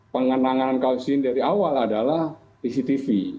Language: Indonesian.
pengenangan kausin dari awal adalah cctv